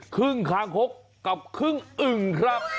ครึ่งค้างคกกับครึ่งอึ่งครับ